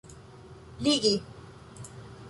ligi